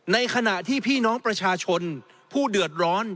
ในขณะที่พี่น้องประชาชนผู้เดือดร้อน